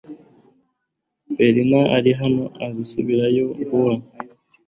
Berina ari hano azasubirayo vuba